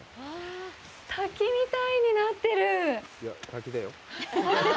滝みたいになってる。